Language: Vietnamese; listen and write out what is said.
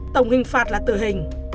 tổng hình phạt là tử hình